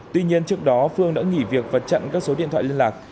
tuy nhiên trước đó phương đã nghỉ việc và chặn các số điện thoại liên lạc